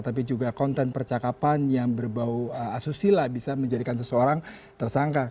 tapi juga konten percakapan yang berbau asusila bisa menjadikan seseorang tersangka